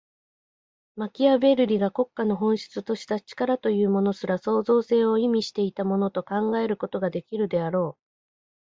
マキアヴェルリが国家の本質とした「力」というものすら、創造性を意味していたものと考えることができるであろう。